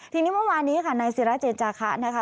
ทีนี้เมื่อวานนี้ค่ะนายศิราเจนจาคะนะคะ